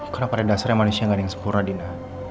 karena pada dasarnya manusia gak ada yang sempurna dina